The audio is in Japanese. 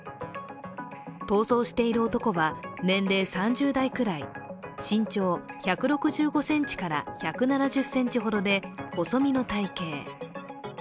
逃走している男は年齢３０代くらい身長１６５１７０ｃｍほどで、細身の体型。